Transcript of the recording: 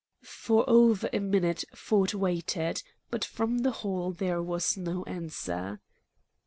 For over a minute Ford waited, but from the hall there was no answer.